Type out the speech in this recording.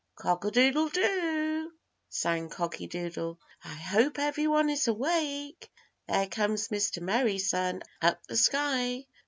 "Cock a doodle do," sang Cocky Doodle. "I hope everybody is awake. There comes Mr. Merry Sun up the sky.